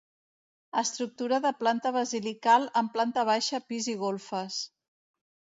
Estructura de planta basilical amb planta baixa, pis i golfes.